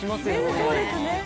そうですね。